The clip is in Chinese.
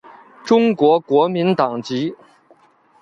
中国国民党籍。